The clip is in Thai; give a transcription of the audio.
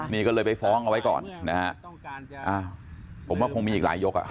มีก็เลยไปฟ้องเอาไว้ก่อนผมว่าคงมีอีกหลายยก